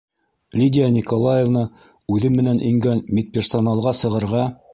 Лидия Николаевна үҙе менән ингән медперсоналға сығырға